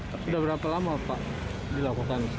tapi sudah berapa lama pak dilakukan